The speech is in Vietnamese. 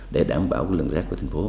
để đảm bảo lượng rác của thành phố